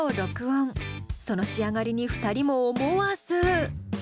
その仕上がりに２人も思わず。